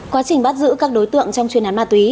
quá trình bắt giữ các đối tượng trong chuyên án ma túy